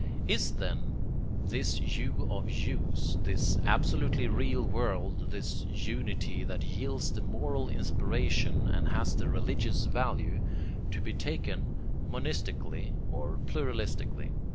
Is then this you of yous, this absolutely real world, this unity that yields the moral inspiration and has the religious value, to be taken monistically or pluralistically?